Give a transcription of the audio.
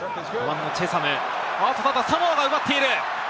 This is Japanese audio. サモアが奪っている。